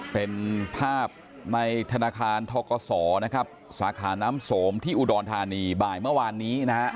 เป็นภาพในธนาคารทกษสาขาน้ำโสมที่อุดรธานีบ่ายเมื่อวานนี้